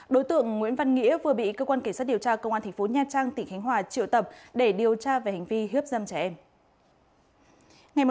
đối tượng nguyễn văn nghĩa vừa bị cơ quan kỳ sát điều tra công an thành phố nha trang tỉnh khánh hòa triệu tập để điều tra về hành vi hiếp dâm trẻ em